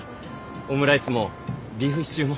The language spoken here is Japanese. オムライスもビーフシチューも。